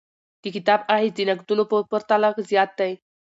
د کتاب اغیز د نقدونو په پرتله زیات دی.